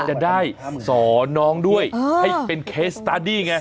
จะได้สอนน้องด้วยให้เป็นเคสสตาร์ดี้ไง